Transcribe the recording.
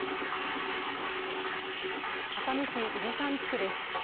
熱海市伊豆山地区です。